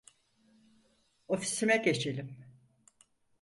Ofisime geçelim.